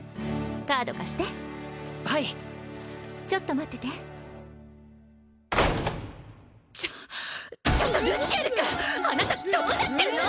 カード貸してはいちょっと待っててちょっちょっとルシエル君あなたどうなってるの！？